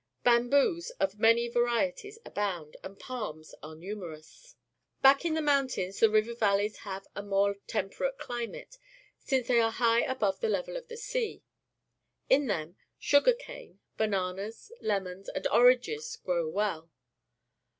Bamboos of many varieties abound, and pahns are nimierous. Back in the mountains the river valleys have a more temperate cli mate, since the}' are liigh above the level of the sea. In them sugar cane, bananas, lemons, and oranges grow well.